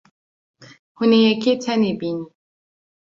Hûn ê yekê tenê bînin.